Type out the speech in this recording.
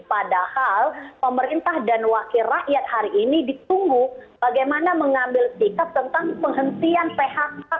padahal pemerintah dan wakil rakyat hari ini ditunggu bagaimana mengambil sikap tentang penghentian phk